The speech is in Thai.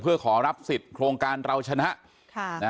เพื่อขอรับสิทธิ์โครงการเราชนะ